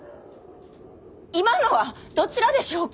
今のはどちらでしょうか。